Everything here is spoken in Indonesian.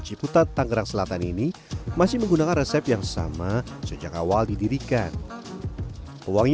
ciputat tangerang selatan ini masih menggunakan resep yang sama sejak awal didirikan uangnya